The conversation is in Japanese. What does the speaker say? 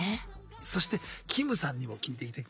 そしてキムさんにも聞いていきたい。